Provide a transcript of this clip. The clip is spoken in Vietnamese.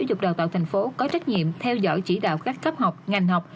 sở dụng đào tạo tp hcm có trách nhiệm theo dõi chỉ đạo các cấp học ngành học